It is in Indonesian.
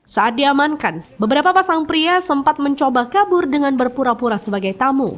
saat diamankan beberapa pasang pria sempat mencoba kabur dengan berpura pura sebagai tamu